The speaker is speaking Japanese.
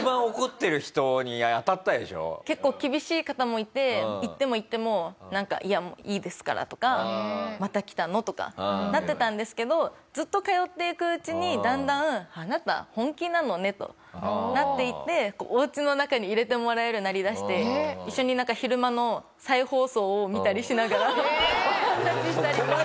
中には結構厳しい方もいて行っても行ってもなんか「いやもういいですから」とか「また来たの？」とかなってたんですけどずっと通っていくうちにだんだん「あなた本気なのね」となっていっておうちの中に入れてもらえるようになりだして一緒になんか昼間の再放送を見たりしながらお話ししたりとか。